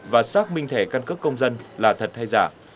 và xác minh thẻ căn cước công dân là thật hay giả